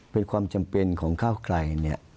เป็นความจำเป็นของเข้ากลาย